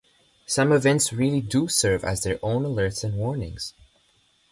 Some events really do serve as their own alerts and warnings.